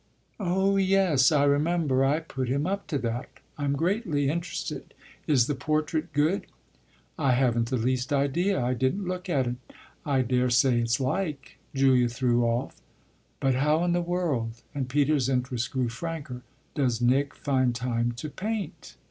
"Oh yes, I remember I put him up to that. I'm greatly interested. Is the portrait good?" "I haven't the least idea I didn't look at it. I daresay it's like," Julia threw off. "But how in the world" and Peter's interest grew franker "does Nick find time to paint?"